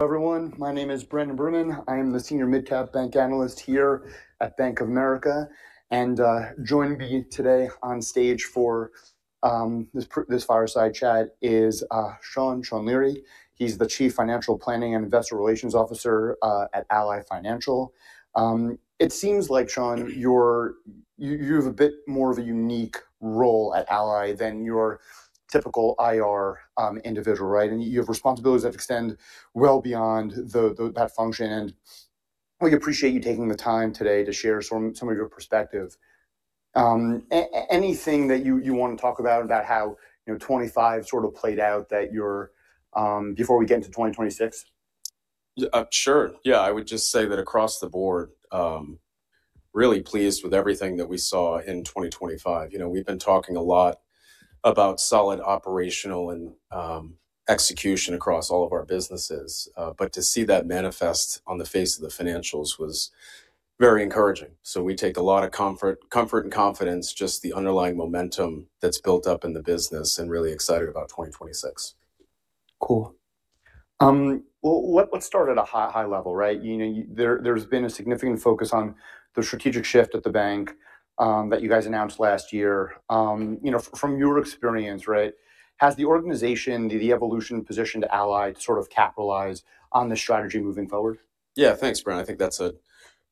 Hello everyone, my name is Brandon Berman. I am the Senior Midcap Bank Analyst here at Bank of America, and joining me today on stage for this fireside chat is Sean Leary. He's the Chief Financial Planning and Investor Relations Officer at Ally Financial. It seems like, Sean, you have a bit more of a unique role at Ally than your typical IR individual, right? And you have responsibilities that extend well beyond that function, and we appreciate you taking the time today to share some of your perspective. Anything that you want to talk about how 2025 sort of played out before we get into 2026? Sure. Yeah, I would just say that across the board, really pleased with everything that we saw in 2025. We've been talking a lot about solid operational and execution across all of our businesses, but to see that manifest on the face of the financials was very encouraging. So we take a lot of comfort and confidence, just the underlying momentum that's built up in the business, and really excited about 2026. Cool. What started at a high level, right? There's been a significant focus on the strategic shift at the bank that you guys announced last year. From your experience, has the organization, the evolution positioned Ally to sort of capitalize on the strategy moving forward? Yeah, thanks, Brandon. I think that's a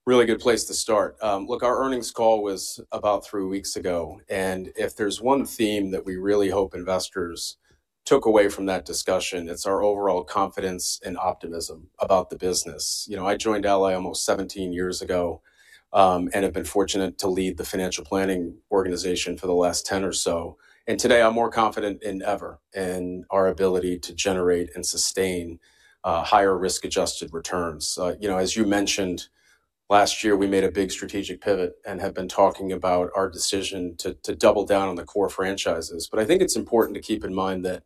really good place to start. Look, our earnings call was about three weeks ago, and if there's one theme that we really hope investors took away from that discussion, it's our overall confidence and optimism about the business. I joined Ally almost 17 years ago and have been fortunate to lead the financial planning organization for the last 10 years or so. Today I'm more confident than ever in our ability to generate and sustain higher risk-adjusted returns. As you mentioned, last year we made a big strategic pivot and have been talking about our decision to double down on the core franchises. I think it's important to keep in mind that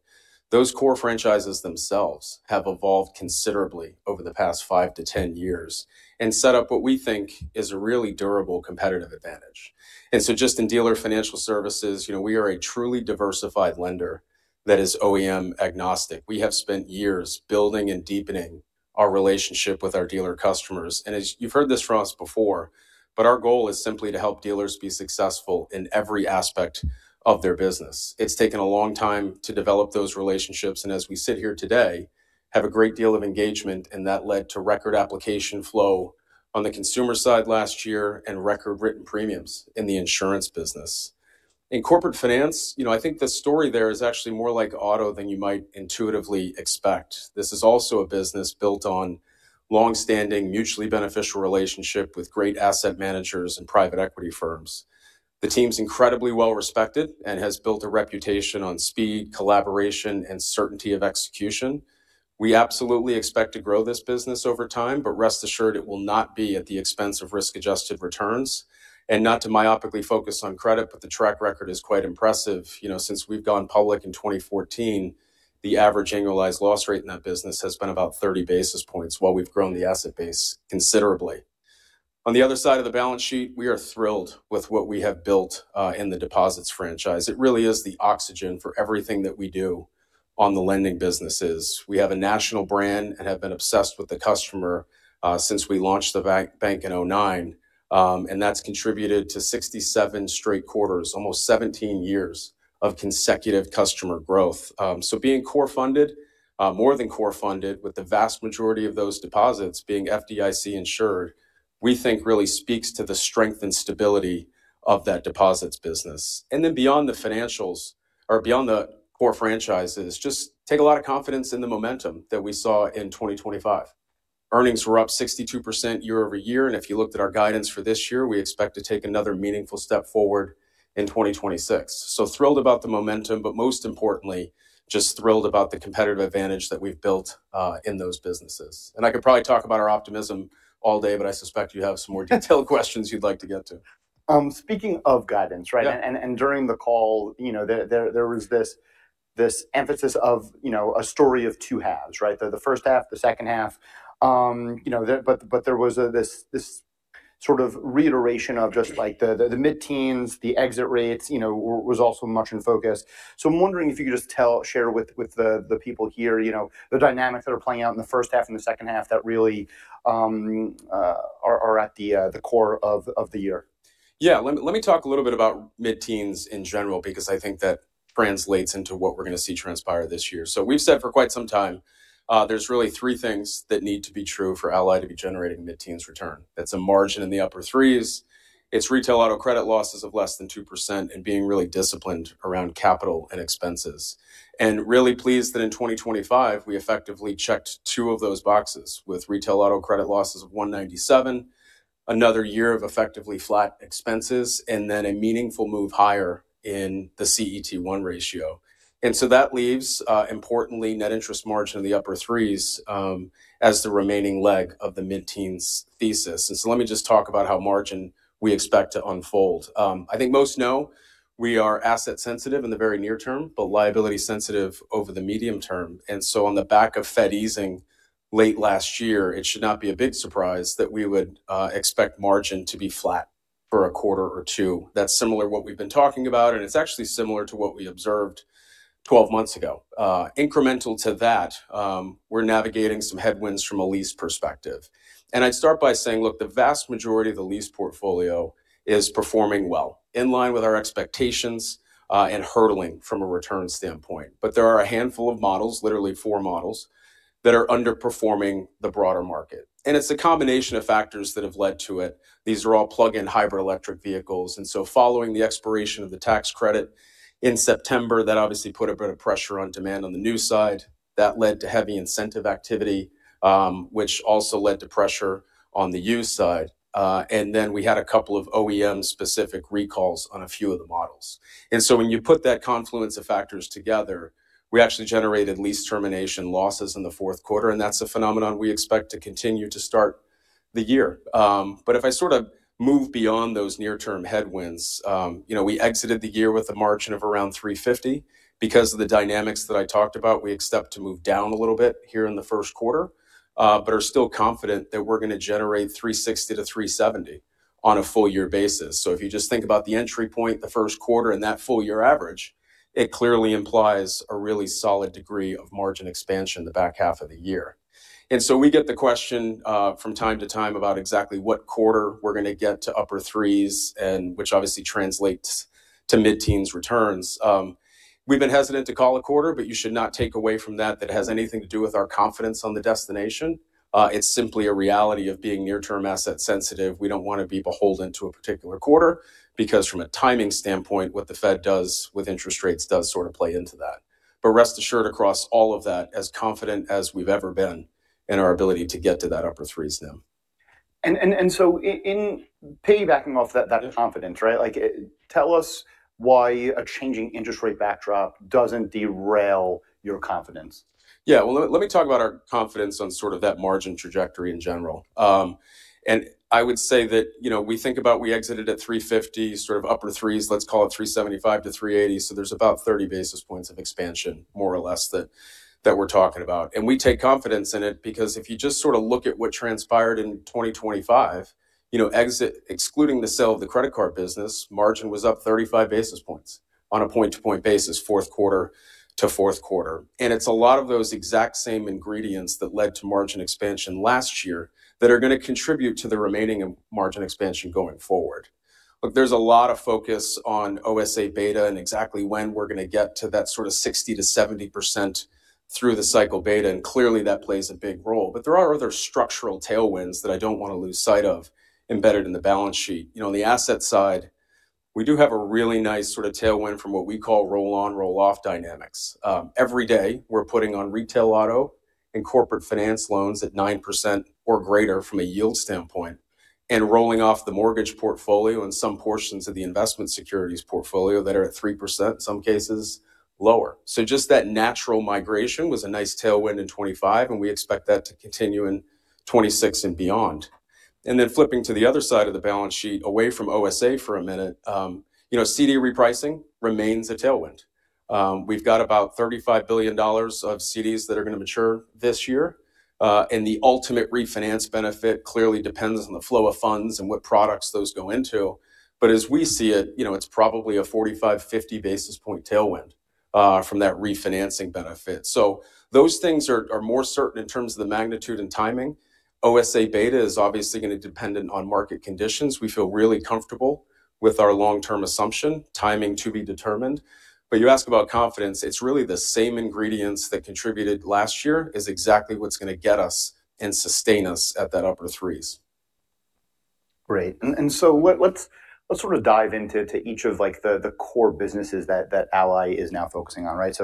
those core franchises themselves have evolved considerably over the past five to 10 years and set up what we think is a really durable competitive advantage. And so just in Dealer Financial Services, we are a truly diversified lender that is OEM-agnostic. We have spent years building and deepening our relationship with our dealer customers. And as you've heard this from us before, but our goal is simply to help dealers be successful in every aspect of their business. It's taken a long time to develop those relationships, and as we sit here today, have a great deal of engagement, and that led to record application flow on the consumer side last year and record written premiums in the insurance business. In Corporate Finance, I think the story there is actually more like auto than you might intuitively expect. This is also a business built on a longstanding mutually beneficial relationship with great asset managers and private equity firms. The team's incredibly well-respected and has built a reputation on speed, collaboration, and certainty of execution. We absolutely expect to grow this business over time, but rest assured it will not be at the expense of risk-adjusted returns and not to myopically focus on credit, but the track record is quite impressive. Since we've gone public in 2014, the average annualized loss rate in that business has been about 30 basis points while we've grown the asset base considerably. On the other side of the balance sheet, we are thrilled with what we have built in the deposits franchise. It really is the oxygen for everything that we do on the lending businesses. We have a national brand and have been obsessed with the customer since we launched the bank in 2009, and that's contributed to 67 straight quarters, almost 17 years of consecutive customer growth. So being core-funded, more than core-funded, with the vast majority of those deposits being FDIC-insured, we think really speaks to the strength and stability of that deposits business. And then beyond the financials or beyond the core franchises, just take a lot of confidence in the momentum that we saw in 2025. Earnings were up 62% year-over-year, and if you looked at our guidance for this year, we expect to take another meaningful step forward in 2026. So thrilled about the momentum, but most importantly, just thrilled about the competitive advantage that we've built in those businesses. And I could probably talk about our optimism all day, but I suspect you have some more detailed questions you'd like to get to. Speaking of guidance, right, and during the call, there was this emphasis of a story of two halves, right? The first half, the second half. But there was this sort of reiteration of just like the mid-teens, the exit rates was also much in focus. So I'm wondering if you could just share with the people here the dynamics that are playing out in the first half and the second half that really are at the core of the year. Yeah, let me talk a little bit about mid-teens in general because I think that translates into what we're going to see transpire this year. So we've said for quite some time there's really three things that need to be true for Ally to be generating mid-teens return. That's a margin in the upper threes, it's retail auto credit losses of less than 2%, and being really disciplined around capital and expenses. And really pleased that in 2025 we effectively checked two of those boxes with retail auto credit losses of 197, another year of effectively flat expenses, and then a meaningful move higher in the CET1 ratio. And so that leaves, importantly, net interest margin in the upper threes as the remaining leg of the mid-teens thesis. And so let me just talk about how margin we expect to unfold. I think most know we are asset-sensitive in the very near term, but liability-sensitive over the medium term. So on the back of Fed easing late last year, it should not be a big surprise that we would expect margin to be flat for a quarter or two. That's similar to what we've been talking about, and it's actually similar to what we observed 12 months ago. Incremental to that, we're navigating some headwinds from a lease perspective. I'd start by saying, look, the vast majority of the lease portfolio is performing well, in line with our expectations and yielding from a return standpoint. But there are a handful of models, literally four models, that are underperforming the broader market. And it's a combination of factors that have led to it. These are all plug-in hybrid electric vehicles. Following the expiration of the tax credit in September, that obviously put a bit of pressure on demand on the new side. That led to heavy incentive activity, which also led to pressure on the used side. And then we had a couple of OEM-specific recalls on a few of the models. And so when you put that confluence of factors together, we actually generated lease termination losses in the fourth quarter, and that's a phenomenon we expect to continue to start the year. But if I sort of move beyond those near-term headwinds, we exited the year with a margin of around 350 because of the dynamics that I talked about. We expect to move down a little bit here in the first quarter, but are still confident that we're going to generate 360-370 on a full year basis. So if you just think about the entry point, the first quarter, and that full year average, it clearly implies a really solid degree of margin expansion the back half of the year. And so we get the question from time to time about exactly what quarter we're going to get to upper threes, which obviously translates to mid-teens returns. We've been hesitant to call a quarter, but you should not take away from that that it has anything to do with our confidence on the destination. It's simply a reality of being near-term asset-sensitive. We don't want to be beholden to a particular quarter because from a timing standpoint, what the Fed does with interest rates does sort of play into that. But rest assured across all of that, as confident as we've ever been in our ability to get to that upper threes now. And so in piggybacking off that confidence, right, tell us why a changing interest rate backdrop doesn't derail your confidence? Yeah, well, let me talk about our confidence on sort of that margin trajectory in general. And I would say that we think about we exited at 350, sort of upper threes, let's call it 375-380. So there's about 30 basis points of expansion, more or less, that we're talking about. And we take confidence in it because if you just sort of look at what transpired in 2025, excluding the sale of the credit card business, margin was up 35 basis points on a point-to-point basis, fourth quarter to fourth quarter. And it's a lot of those exact same ingredients that led to margin expansion last year that are going to contribute to the remaining margin expansion going forward. Look, there's a lot of focus on OSA beta and exactly when we're going to get to that sort of 60%-70% through the cycle beta, and clearly that plays a big role. But there are other structural tailwinds that I don't want to lose sight of embedded in the balance sheet. On the asset side, we do have a really nice sort of tailwind from what we call roll-on, roll-off dynamics. Every day we're putting on retail auto and Corporate Finance loans at 9% or greater from a yield standpoint and rolling off the mortgage portfolio and some portions of the investment securities portfolio that are at 3%, in some cases, lower. So just that natural migration was a nice tailwind in 2025, and we expect that to continue in 2026 and beyond. Then flipping to the other side of the balance sheet, away from OSA for a minute, CD repricing remains a tailwind. We've got about $35 billion of CDs that are going to mature this year. The ultimate refinance benefit clearly depends on the flow of funds and what products those go into. But as we see it, it's probably a 45-50 basis point tailwind from that refinancing benefit. Those things are more certain in terms of the magnitude and timing. OSA beta is obviously going to depend on market conditions. We feel really comfortable with our long-term assumption, timing to be determined. You ask about confidence, it's really the same ingredients that contributed last year is exactly what's going to get us and sustain us at that upper threes. Great. Let's sort of dive into each of the core businesses that Ally is now focusing on, right?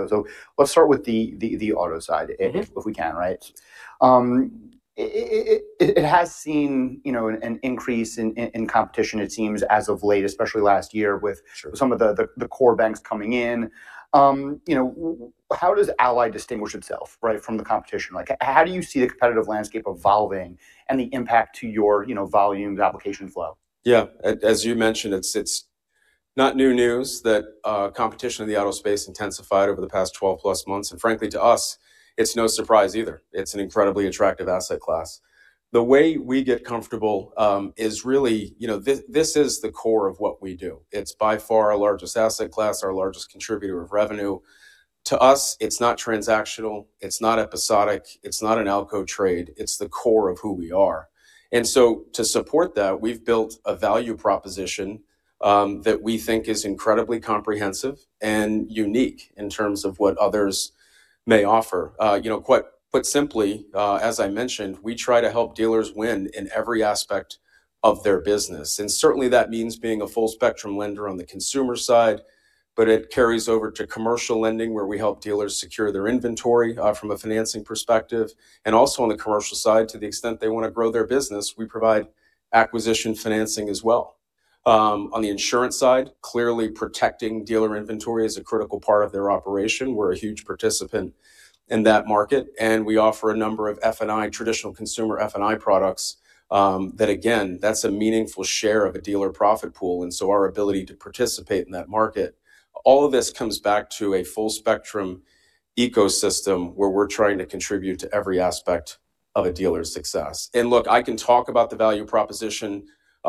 Let's start with the auto side, if we can, right? It has seen an increase in competition, it seems, as of late, especially last year with some of the core banks coming in. How does Ally distinguish itself from the competition? How do you see the competitive landscape evolving and the impact to your volumes, application flow? Yeah, as you mentioned, it's not new news that competition in the auto space intensified over the past 12+ months. Frankly, to us, it's no surprise either. It's an incredibly attractive asset class. The way we get comfortable is really this is the core of what we do. It's by far our largest asset class, our largest contributor of revenue. To us, it's not transactional, it's not episodic, it's not an ALCO trade. It's the core of who we are. And so to support that, we've built a value proposition that we think is incredibly comprehensive and unique in terms of what others may offer. Quite simply, as I mentioned, we try to help dealers win in every aspect of their business. And certainly that means being a full-spectrum lender on the consumer side, but it carries over to commercial lending where we help dealers secure their inventory from a financing perspective. And also on the commercial side, to the extent they want to grow their business, we provide acquisition financing as well. On the insurance side, clearly protecting dealer inventory is a critical part of their operation. We're a huge participant in that market, and we offer a number of F&I, traditional consumer F&I products that, again, that's a meaningful share of a dealer profit pool. And so our ability to participate in that market, all of this comes back to a full-spectrum ecosystem where we're trying to contribute to every aspect of a dealer's success. And look, I can talk about the value proposition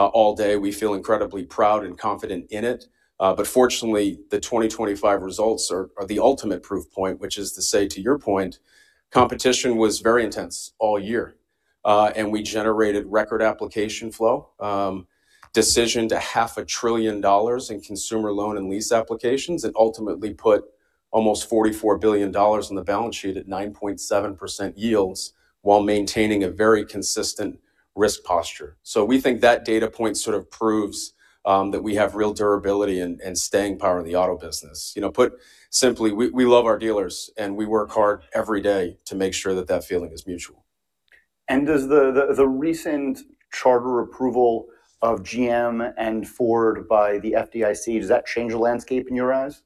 all day. We feel incredibly proud and confident in it. But fortunately, the 2025 results are the ultimate proof point, which is to say, to your point, competition was very intense all year. And we generated record application flow, decisioned $0.5 trillion in consumer loan and lease applications, and ultimately put almost $44 billion on the balance sheet at 9.7% yields while maintaining a very consistent risk posture. So we think that data point sort of proves that we have real durability and staying power in the auto business. Put simply, we love our dealers, and we work hard every day to make sure that that feeling is mutual. Does the recent charter approval of GM and Ford by the FDIC change the landscape in your eyes?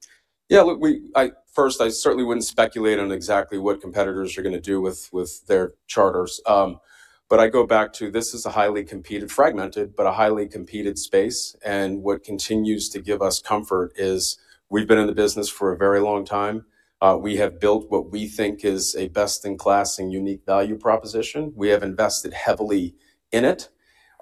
Yeah, look, first, I certainly wouldn't speculate on exactly what competitors are going to do with their charters. But I go back to this is a highly competitive, fragmented, but a highly competitive space. And what continues to give us comfort is we've been in the business for a very long time. We have built what we think is a best-in-class and unique value proposition. We have invested heavily in it.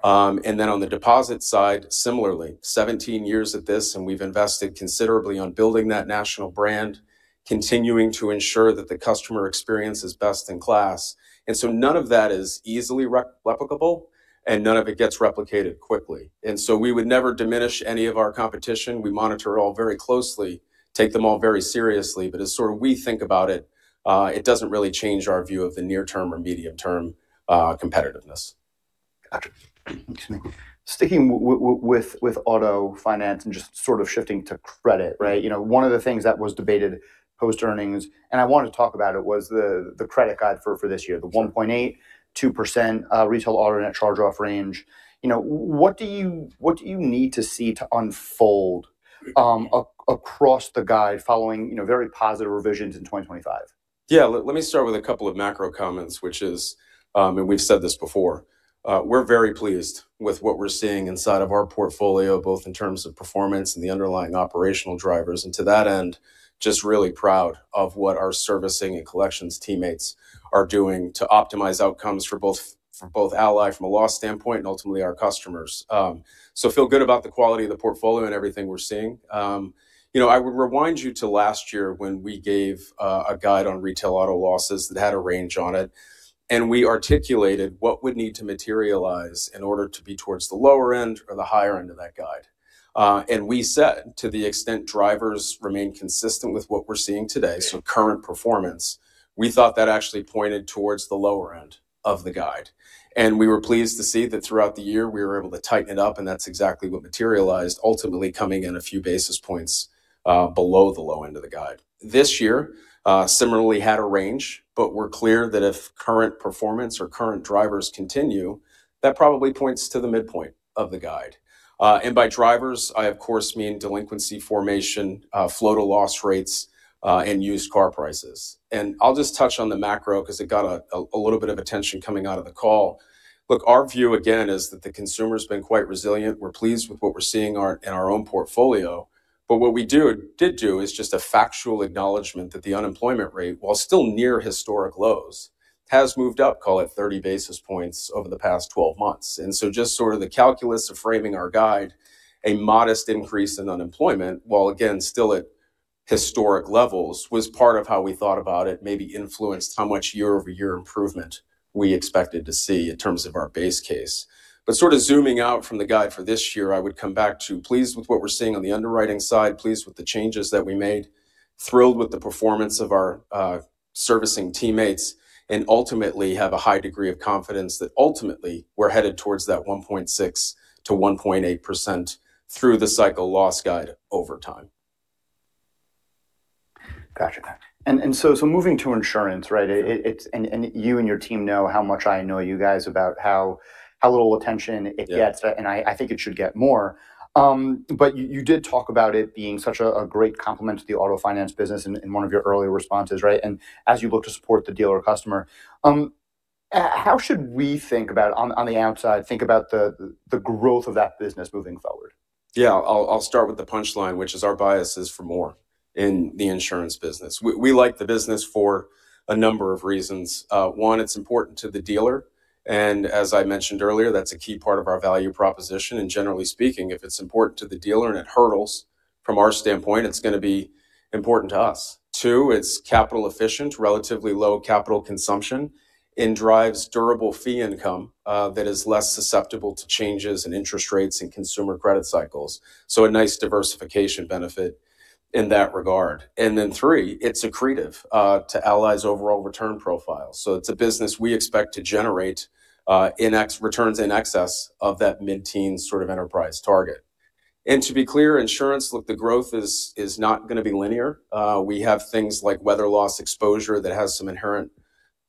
And then on the deposit side, similarly, 17 years at this, and we've invested considerably on building that national brand, continuing to ensure that the customer experience is best-in-class. And so none of that is easily replicable, and none of it gets replicated quickly. And so we would never diminish any of our competition. We monitor it all very closely, take them all very seriously. But as sort of we think about it, it doesn't really change our view of the near-term or medium-term competitiveness. Gotcha. Sticking with auto finance and just sort of shifting to credit, right? One of the things that was debated post-earnings, and I wanted to talk about it, was the credit guide for this year, the 1.8%, 2% retail auto net charge-off range. What do you need to see to unfold across the guide following very positive revisions in 2025? Yeah, let me start with a couple of macro comments, which is, and we've said this before, we're very pleased with what we're seeing inside of our portfolio, both in terms of performance and the underlying operational drivers. And to that end, just really proud of what our servicing and collections teammates are doing to optimize outcomes for both Ally from a loss standpoint and ultimately our customers. So feel good about the quality of the portfolio and everything we're seeing. I would remind you to last year when we gave a guide on retail auto losses that had a range on it, and we articulated what would need to materialize in order to be towards the lower end or the higher end of that guide. We said, to the extent drivers remain consistent with what we're seeing today, so current performance, we thought that actually pointed towards the lower end of the guide. We were pleased to see that throughout the year we were able to tighten it up, and that's exactly what materialized, ultimately coming in a few basis points below the low end of the guide. This year, similarly, had a range, but we're clear that if current performance or current drivers continue, that probably points to the midpoint of the guide. By drivers, I, of course, mean delinquency formation, flow-to-loss rates, and used car prices. I'll just touch on the macro because it got a little bit of attention coming out of the call. Look, our view, again, is that the consumer's been quite resilient. We're pleased with what we're seeing in our own portfolio. But what we did do is just a factual acknowledgment that the unemployment rate, while still near historic lows, has moved up, call it 30 basis points, over the past 12 months. And so just sort of the calculus of framing our guide, a modest increase in unemployment, while again, still at historic levels, was part of how we thought about it, maybe influenced how much year-over-year improvement we expected to see in terms of our base case. But sort of zooming out from the guide for this year, I would come back to pleased with what we're seeing on the underwriting side, pleased with the changes that we made, thrilled with the performance of our servicing teammates, and ultimately have a high degree of confidence that ultimately we're headed towards that 1.6%-1.8% through the cycle loss guide over time. Gotcha. So moving to insurance, right? You and your team know how much I know you guys about how little attention it gets, and I think it should get more. But you did talk about it being such a great complement to the auto finance business in one of your earlier responses, right? As you look to support the dealer or customer, how should we think about, on the outside, think about the growth of that business moving forward? Yeah, I'll start with the punchline, which is our bias is for more in the insurance business. We like the business for a number of reasons. One, it's important to the dealer. And as I mentioned earlier, that's a key part of our value proposition. And generally speaking, if it's important to the dealer and it hurdles, from our standpoint, it's going to be important to us. Two, it's capital efficient, relatively low capital consumption, and drives durable fee income that is less susceptible to changes in interest rates and consumer credit cycles. So a nice diversification benefit in that regard. And then three, it's accretive to Ally's overall return profile. So it's a business we expect to generate returns in excess of that mid-teen sort of enterprise target. And to be clear, insurance, look, the growth is not going to be linear. We have things like weather loss exposure that has some inherent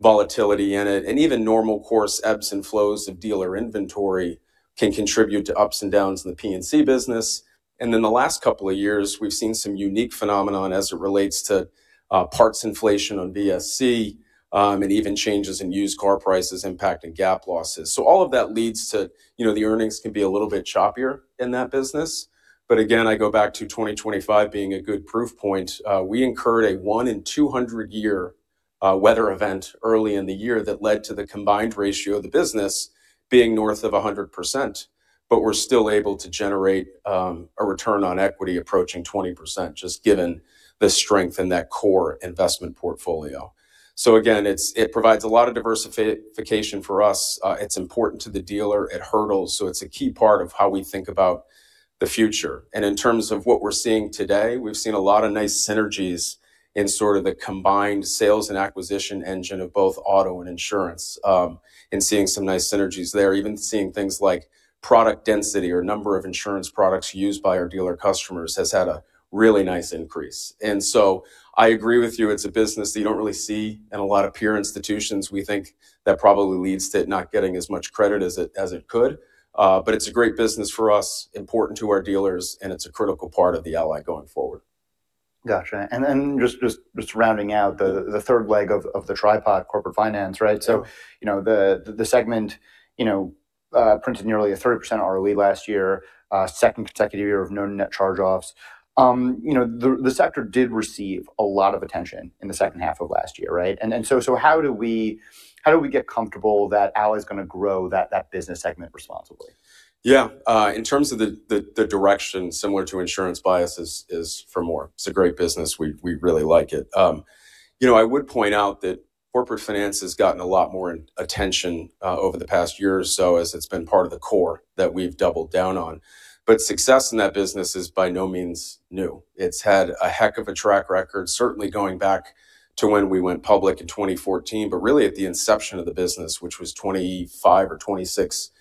volatility in it. Even normal course ebbs and flows of dealer inventory can contribute to ups and downs in the P&C business. Then the last couple of years, we've seen some unique phenomenon as it relates to parts inflation on VSC and even changes in used car prices impacting GAP losses. All of that leads to the earnings can be a little bit choppier in that business. Again, I go back to 2025 being a good proof point. We incurred a one-in-200-year weather event early in the year that led to the combined ratio of the business being north of 100%, but we're still able to generate a return on equity approaching 20%, just given the strength in that core investment portfolio. Again, it provides a lot of diversification for us. It's important to the dealer. It hurdles. So it's a key part of how we think about the future. And in terms of what we're seeing today, we've seen a lot of nice synergies in sort of the combined sales and acquisition engine of both auto and insurance. And seeing some nice synergies there, even seeing things like product density or number of insurance products used by our dealer customers has had a really nice increase. And so I agree with you. It's a business that you don't really see in a lot of peer institutions. We think that probably leads to it not getting as much credit as it could. But it's a great business for us, important to our dealers, and it's a critical part of the Ally going forward. Gotcha. And just rounding out, the third leg of the tripod, Corporate Finance, right? So the segment printed nearly a 30% ROE last year, second consecutive year of known net charge-offs. The sector did receive a lot of attention in the second half of last year, right? And so how do we get comfortable that Ally's going to grow that business segment responsibly? Yeah, in terms of the direction, similar to insurance bias is for more. It's a great business. We really like it. I would point out that Corporate Finance has gotten a lot more attention over the past year or so as it's been part of the core that we've doubled down on. But success in that business is by no means new. It's had a heck of a track record, certainly going back to when we went public in 2014, but really at the inception of the business, which was 25 or 26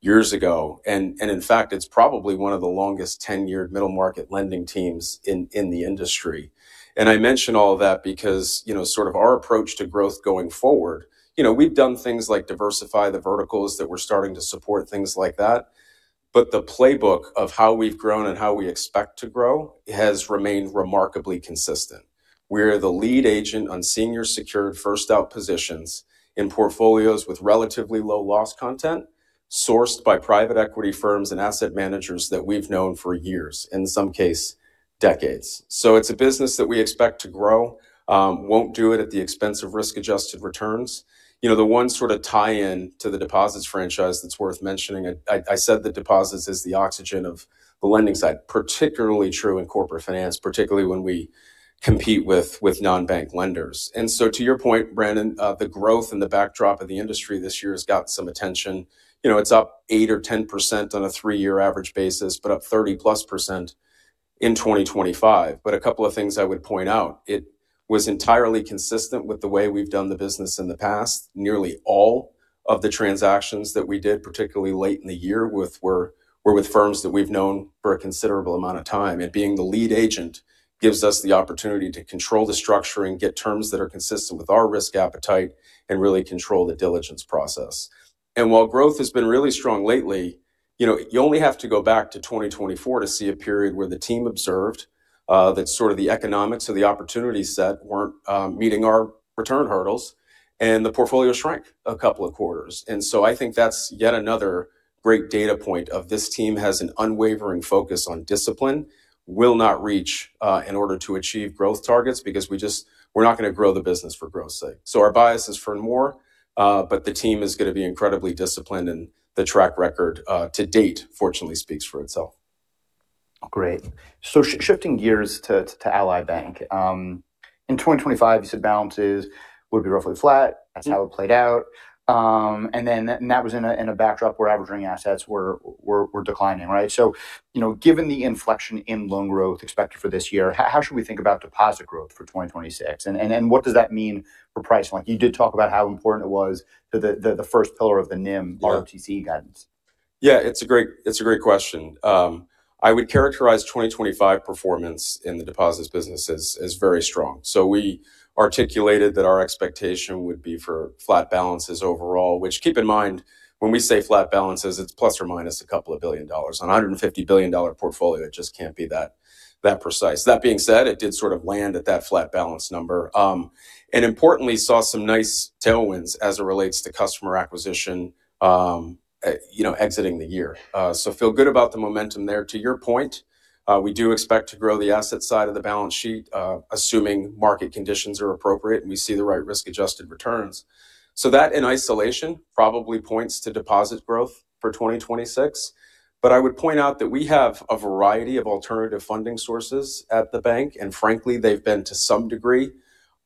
years ago. And in fact, it's probably one of the longest 10-year middle-market lending teams in the industry. And I mention all of that because sort of our approach to growth going forward, we've done things like diversify the verticals that we're starting to support things like that. But the playbook of how we've grown and how we expect to grow has remained remarkably consistent. We're the lead agent on senior secured, first-out positions in portfolios with relatively low loss content sourced by private equity firms and asset managers that we've known for years, in some cases, decades. So it's a business that we expect to grow, won't do it at the expense of risk-adjusted returns. The one sort of tie-in to the deposits franchise that's worth mentioning, I said the deposits is the oxygen of the lending side, particularly true in Corporate Finance, particularly when we compete with non-bank lenders. And so to your point, Brandon, the growth and the backdrop of the industry this year has gotten some attention. It's up 8% or 10% on a three-year average basis, but up 30%+ in 2025. But a couple of things I would point out, it was entirely consistent with the way we've done the business in the past. Nearly all of the transactions that we did, particularly late in the year, were with firms that we've known for a considerable amount of time. Being the lead agent gives us the opportunity to control the structure and get terms that are consistent with our risk appetite and really control the diligence process. While growth has been really strong lately, you only have to go back to 2024 to see a period where the team observed that sort of the economics or the opportunity set weren't meeting our return hurdles, and the portfolio shrank a couple of quarters. And so I think that's yet another great data point of this team has an unwavering focus on discipline, will not reach in order to achieve growth targets because we're not going to grow the business for growth's sake. So our bias is for more, but the team is going to be incredibly disciplined in the track record to date, fortunately speaks for itself. Great. So shifting gears to Ally Bank. In 2025, you said balances would be roughly flat. That's how it played out. And then that was in a backdrop where averaging assets were declining, right? So given the inflection in loan growth expected for this year, how should we think about deposit growth for 2026? And what does that mean for pricing? You did talk about how important it was to the first pillar of the NIM ROTCE guidance. Yeah, it's a great question. I would characterize 2025 performance in the deposits business as very strong. So we articulated that our expectation would be for flat balances overall, which keep in mind, when we say flat balances, it's plus or minus the couple of billion dollars. A $150 billion portfolio, it just can't be that precise. That being said, it did sort of land at that flat balance number. And importantly, saw some nice tailwinds as it relates to customer acquisition exiting the year. So feel good about the momentum there. To your point, we do expect to grow the asset side of the balance sheet, assuming market conditions are appropriate and we see the right risk-adjusted returns. So that in isolation probably points to deposit growth for 2026. But I would point out that we have a variety of alternative funding sources at the bank. And frankly, they've been to some degree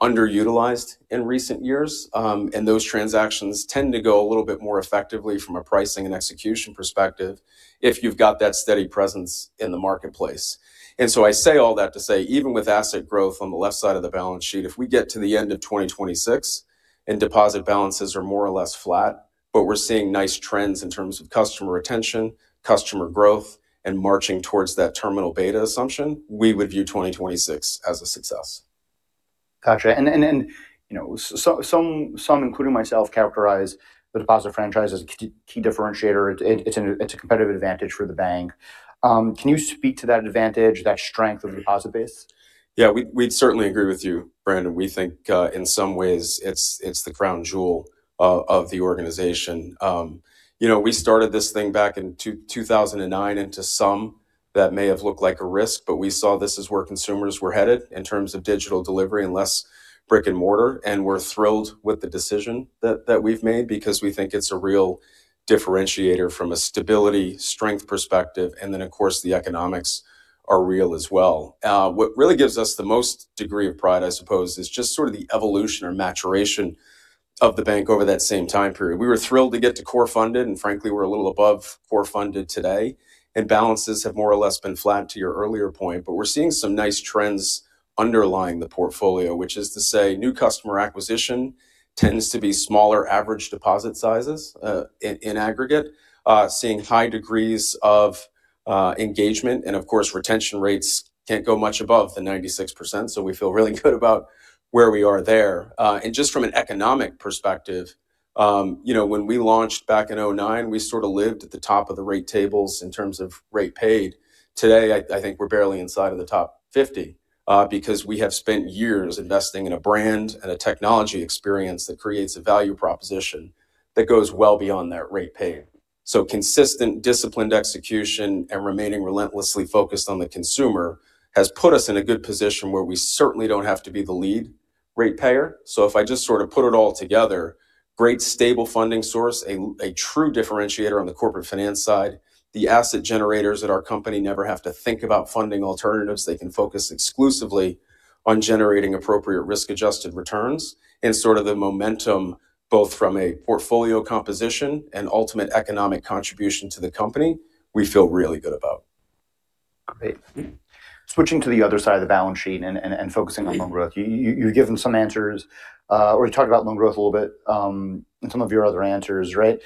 underutilized in recent years. And those transactions tend to go a little bit more effectively from a pricing and execution perspective if you've got that steady presence in the marketplace. And so I say all that to say, even with asset growth on the left side of the balance sheet, if we get to the end of 2026 and deposit balances are more or less flat, but we're seeing nice trends in terms of customer retention, customer growth, and marching towards that terminal beta assumption, we would view 2026 as a success. Gotcha. Some, including myself, characterize the deposit franchise as a key differentiator. It's a competitive advantage for the bank. Can you speak to that advantage, that strength of the deposit base? Yeah, we'd certainly agree with you, Brandon. We think in some ways it's the crown jewel of the organization. We started this thing back in 2009 into some that may have looked like a risk, but we saw this is where consumers were headed in terms of digital delivery and less brick and mortar. And we're thrilled with the decision that we've made because we think it's a real differentiator from a stability, strength perspective. And then, of course, the economics are real as well. What really gives us the most degree of pride, I suppose, is just sort of the evolution or maturation of the bank over that same time period. We were thrilled to get to core funded, and frankly, we're a little above core funded today. Balances have more or less been flat to your earlier point, but we're seeing some nice trends underlying the portfolio, which is to say new customer acquisition tends to be smaller average deposit sizes in aggregate, seeing high degrees of engagement. And of course, retention rates can't go much above the 96%. So we feel really good about where we are there. And just from an economic perspective, when we launched back in 2009, we sort of lived at the top of the rate tables in terms of rate paid. Today, I think we're barely inside of the top 50 because we have spent years investing in a brand and a technology experience that creates a value proposition that goes well beyond that rate paid. So consistent, disciplined execution and remaining relentlessly focused on the consumer has put us in a good position where we certainly don't have to be the lead rate payer. So if I just sort of put it all together, great, stable funding source, a true differentiator on the Corporate Finance side, the asset generators at our company never have to think about funding alternatives. They can focus exclusively on generating appropriate risk-adjusted returns. And sort of the momentum, both from a portfolio composition and ultimate economic contribution to the company, we feel really good about. Great. Switching to the other side of the balance sheet and focusing on loan growth, you've given some answers or you talked about loan growth a little bit in some of your other answers, right?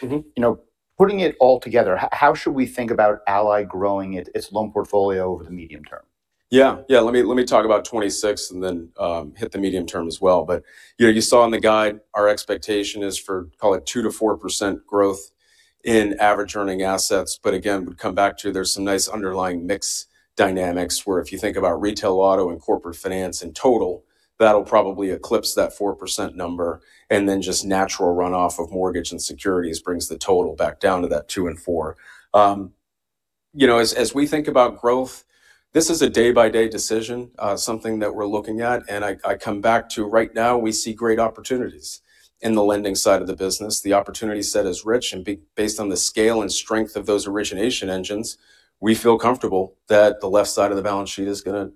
Putting it all together, how should we think about Ally growing its loan portfolio over the medium term? Yeah, yeah. Let me talk about 2026 and then hit the medium term as well. But you saw in the guide, our expectation is for, call it, 2%-4% growth in average earning assets. But again, we'd come back to there's some nice underlying mix dynamics where if you think about retail auto and Corporate Finance in total, that'll probably eclipse that 4% number. And then just natural runoff of mortgage and securities brings the total back down to that 2% and 4%. As we think about growth, this is a day-by-day decision, something that we're looking at. And I come back to right now, we see great opportunities in the lending side of the business. The opportunity set is rich. Based on the scale and strength of those origination engines, we feel comfortable that the left side of the balance sheet is going to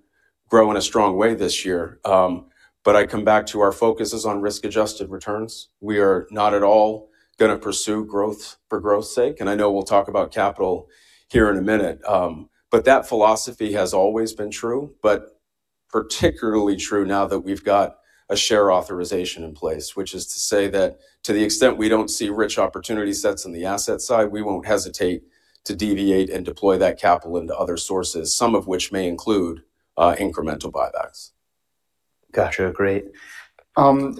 grow in a strong way this year. I come back to our focus is on risk-adjusted returns. We are not at all going to pursue growth for growth's sake. I know we'll talk about capital here in a minute. That philosophy has always been true, but particularly true now that we've got a share authorization in place, which is to say that to the extent we don't see rich opportunity sets in the asset side, we won't hesitate to deviate and deploy that capital into other sources, some of which may include incremental buybacks. Gotcha. Great.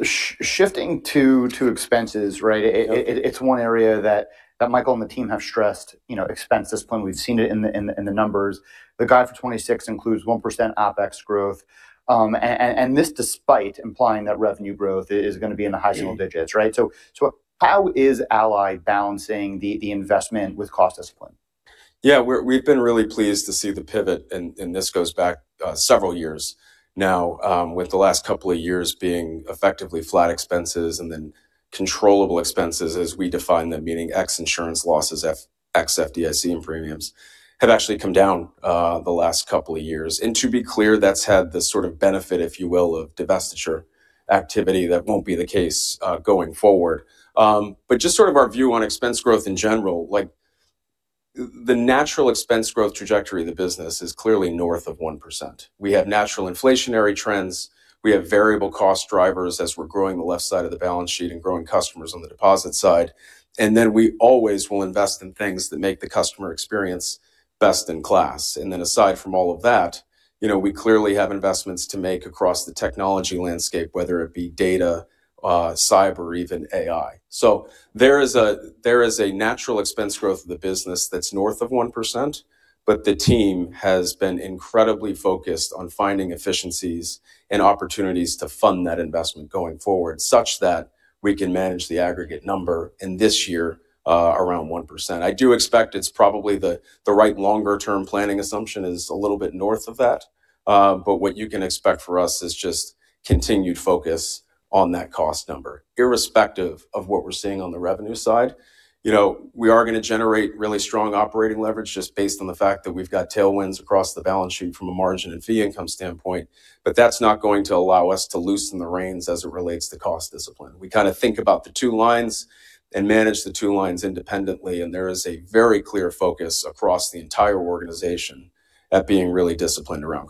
Shifting to expenses, right? It's one area that Michael and the team have stressed, expense discipline. We've seen it in the numbers. The guide for 2026 includes 1% OpEx growth. And this despite implying that revenue growth is going to be in the high single digits, right? So how is Ally balancing the investment with cost discipline? Yeah, we've been really pleased to see the pivot. And this goes back several years now, with the last couple of years being effectively flat expenses and then controllable expenses as we define them, meaning ex-insurance losses, ex-FDIC and premiums have actually come down the last couple of years. And to be clear, that's had the sort of benefit, if you will, of divestiture activity that won't be the case going forward. But just sort of our view on expense growth in general, the natural expense growth trajectory of the business is clearly north of 1%. We have natural inflationary trends. We have variable cost drivers as we're growing the left side of the balance sheet and growing customers on the deposit side. And then we always will invest in things that make the customer experience best in class. Then aside from all of that, we clearly have investments to make across the technology landscape, whether it be data, cyber, or even AI. So there is a natural expense growth of the business that's north of 1%, but the team has been incredibly focused on finding efficiencies and opportunities to fund that investment going forward such that we can manage the aggregate number in this year around 1%. I do expect it's probably the right longer-term planning assumption is a little bit north of that. But what you can expect for us is just continued focus on that cost number, irrespective of what we're seeing on the revenue side. We are going to generate really strong operating leverage just based on the fact that we've got tailwinds across the balance sheet from a margin and fee income standpoint. But that's not going to allow us to loosen the reins as it relates to cost discipline. We kind of think about the two lines and manage the two lines independently. And there is a very clear focus across the entire organization at being really disciplined around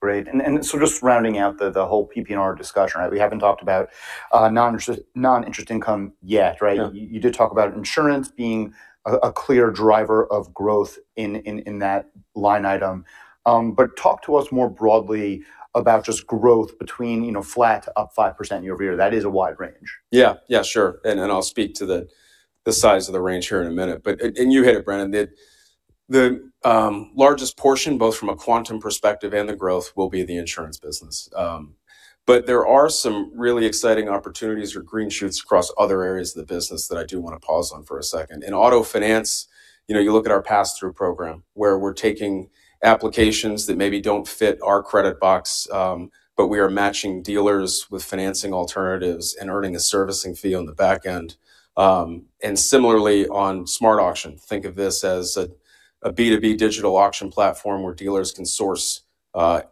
cost. Great. And so just rounding out the whole PPNR discussion, right? We haven't talked about non-interest income yet, right? You did talk about insurance being a clear driver of growth in that line item. But talk to us more broadly about just growth between flat to up 5% year-over-year. That is a wide range. Yeah, yeah, sure. I'll speak to the size of the range here in a minute. You hit it, Brandon. The largest portion, both from a quantum perspective and the growth, will be the insurance business. But there are some really exciting opportunities or green shoots across other areas of the business that I do want to pause on for a second. In auto finance, you look at our pass-through program where we're taking applications that maybe don't fit our credit box, but we are matching dealers with financing alternatives and earning a servicing fee on the backend. And similarly, on SmartAuction, think of this as a B2B digital auction platform where dealers can source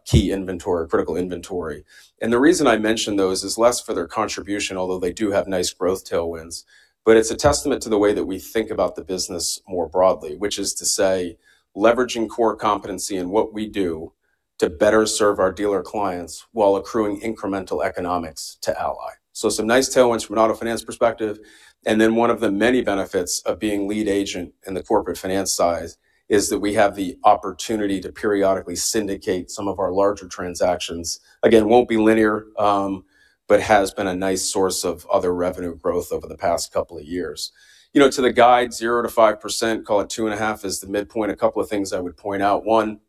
key inventory, critical inventory. And the reason I mention those is less for their contribution, although they do have nice growth tailwinds. But it's a testament to the way that we think about the business more broadly, which is to say leveraging core competency and what we do to better serve our dealer clients while accruing incremental economics to Ally. So some nice tailwinds from an auto finance perspective. And then one of the many benefits of being lead agent in the Corporate finance side is that we have the opportunity to periodically syndicate some of our larger transactions. Again, won't be linear, but has been a nice source of other revenue growth over the past couple of years. To the guide, 0%-5%, call it 2.5% is the midpoint. A couple of things I would point out. One,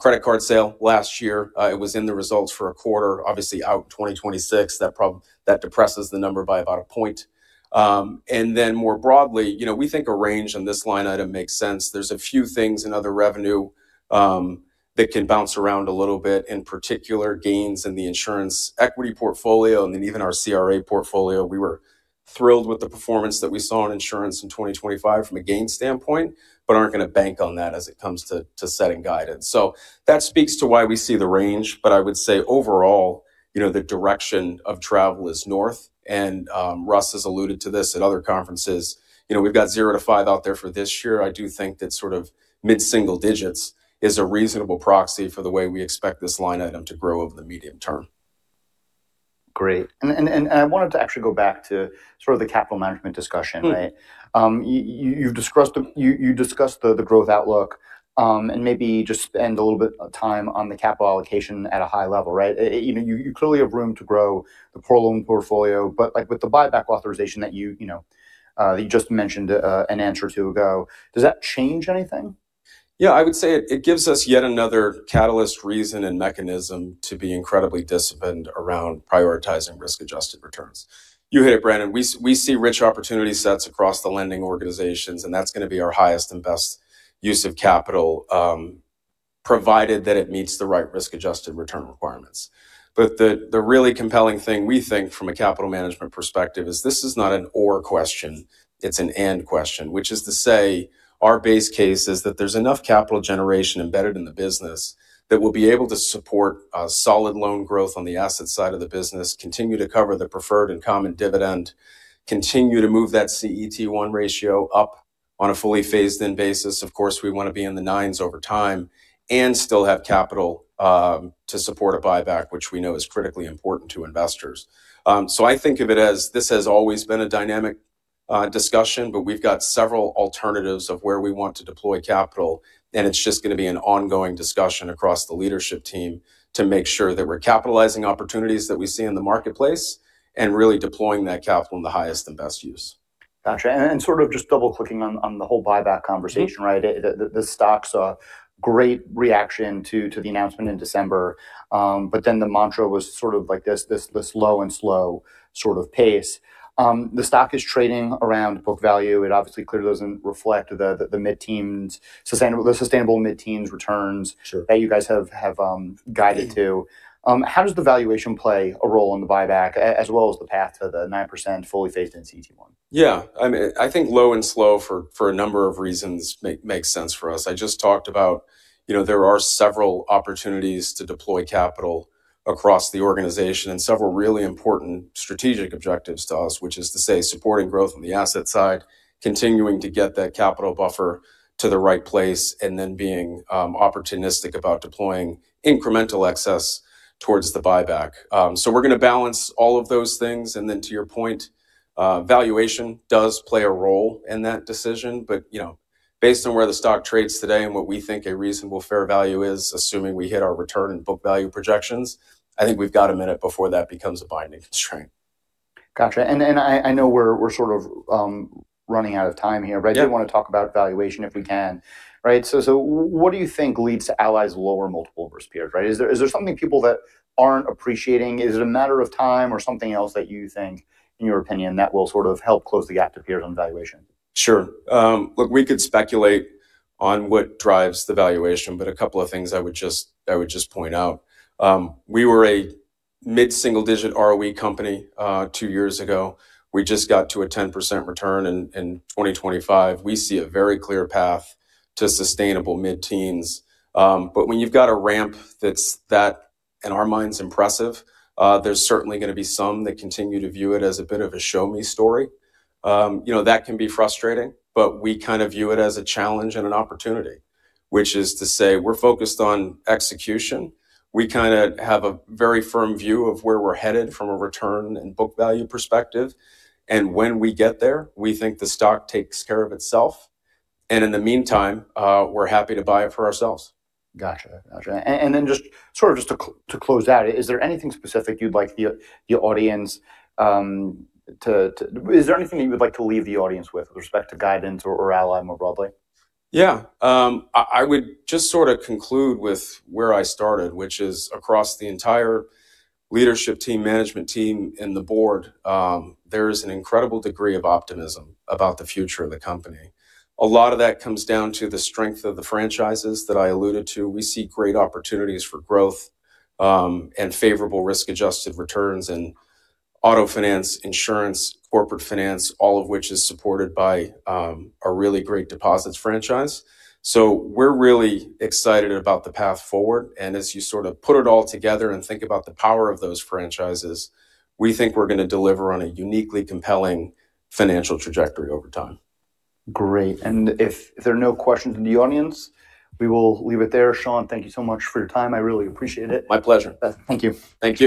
credit card sale last year, it was in the results for a quarter. Obviously, out in 2026, that depresses the number by about a point. Then more broadly, we think a range on this line item makes sense. There's a few things in other revenue that can bounce around a little bit, in particular gains in the insurance equity portfolio and then even our CRA portfolio. We were thrilled with the performance that we saw in insurance in 2025 from a gain standpoint, but aren't going to bank on that as it comes to setting guidance. That speaks to why we see the range. I would say overall, the direction of travel is north. Russ has alluded to this at other conferences. We've got 0%-5% out there for this year. I do think that sort of mid-single digits is a reasonable proxy for the way we expect this line item to grow over the medium term. Great. I wanted to actually go back to sort of the capital management discussion, right? You discussed the growth outlook. Maybe just spend a little bit of time on the capital allocation at a high level, right? You clearly have room to grow the auto loan portfolio, but with the buyback authorization that you just mentioned a minute or two ago, does that change anything? Yeah, I would say it gives us yet another catalyst, reason, and mechanism to be incredibly disciplined around prioritizing risk-adjusted returns. You hit it, Brandon. We see rich opportunity sets across the lending organizations, and that's going to be our highest and best use of capital, provided that it meets the right risk-adjusted return requirements. But the really compelling thing we think from a capital management perspective is this is not an or question. It's an and question, which is to say our base case is that there's enough capital generation embedded in the business that we'll be able to support solid loan growth on the asset side of the business, continue to cover the preferred and common dividend, continue to move that CET1 ratio up on a fully phased-in basis. Of course, we want to be in the nines over time and still have capital to support a buyback, which we know is critically important to investors. So I think of it as this has always been a dynamic discussion, but we've got several alternatives of where we want to deploy capital. It's just going to be an ongoing discussion across the leadership team to make sure that we're capitalizing opportunities that we see in the marketplace and really deploying that capital in the highest and best use. Gotcha. And sort of just double-clicking on the whole buyback conversation, right? The stock saw great reaction to the announcement in December. But then the mantra was sort of like this low and slow sort of pace. The stock is trading around book value. It obviously clearly doesn't reflect the mid-teens, the sustainable mid-teens returns that you guys have guided to. How does the valuation play a role in the buyback as well as the path to the 9% fully phased-in CET1? Yeah, I think low and slow for a number of reasons makes sense for us. I just talked about there are several opportunities to deploy capital across the organization and several really important strategic objectives to us, which is to say supporting growth on the asset side, continuing to get that capital buffer to the right place, and then being opportunistic about deploying incremental excess towards the buyback. So we're going to balance all of those things. And then to your point, valuation does play a role in that decision. But based on where the stock trades today and what we think a reasonable fair value is, assuming we hit our return and book value projections, I think we've got a minute before that becomes a binding constraint. Gotcha. And I know we're sort of running out of time here, right? We want to talk about valuation if we can, right? So what do you think leads to Ally's lower multiple versus peers, right? Is there something people that aren't appreciating? Is it a matter of time or something else that you think, in your opinion, that will sort of help close the Gap to peers on valuation? Sure. Look, we could speculate on what drives the valuation, but a couple of things I would just point out. We were a mid-single digit ROE company two years ago. We just got to a 10% return in 2025. We see a very clear path to sustainable mid-teens. But when you've got a ramp that's that, in our minds, impressive, there's certainly going to be some that continue to view it as a bit of a showme story. That can be frustrating, but we kind of view it as a challenge and an opportunity, which is to say we're focused on execution. We kind of have a very firm view of where we're headed from a return and book value perspective. And when we get there, we think the stock takes care of itself. And in the meantime, we're happy to buy it for ourselves. Gotcha. Gotcha. And then just sort of just to close out, is there anything that you would like to leave the audience with respect to guidance or Ally more broadly? Yeah. I would just sort of conclude with where I started, which is across the entire leadership team, management team, and the board, there is an incredible degree of optimism about the future of the company. A lot of that comes down to the strength of the franchises that I alluded to. We see great opportunities for growth and favorable risk-adjusted returns in auto finance, insurance, corporate finance, all of which is supported by our really great deposits franchise. So we're really excited about the path forward. And as you sort of put it all together and think about the power of those franchises, we think we're going to deliver on a uniquely compelling financial trajectory over time. Great. And if there are no questions in the audience, we will leave it there. Sean, thank you so much for your time. I really appreciate it. My pleasure. Thank you. Thank you.